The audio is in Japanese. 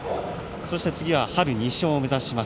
そして、次は春２勝を目指します。